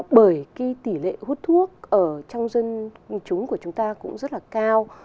bởi cái tỷ lệ hút thuốc ở trong dân chúng của chúng ta cũng rất là cao